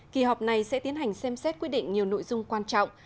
kỳ họp này sẽ tiến hành xem xét quyết định nhiều nội dung quan trọng